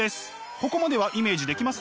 ここまではイメージできます？